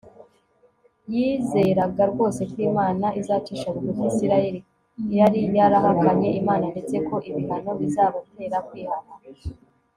Yizeraga rwose ko Imana izacisha bugufi Isirayeli yari yarahakanye Imana ndetse ko ibihano bizabatera kwihana